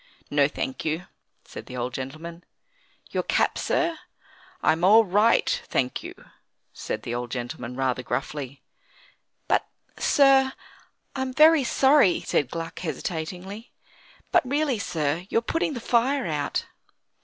"No, thank you," said the old gentleman. "Your cap, sir?" "I am all right, thank you," said the old gentleman, rather gruffly. "But sir I'm very sorry," said Gluck, hesitatingly; "but really, sir you're putting the fire out."